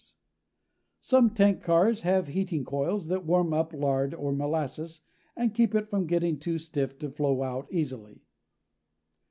Some tank cars have heating coils that warm up lard or molasses and keep it from getting too stiff to flow out easily.